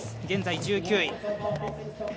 現在１９位。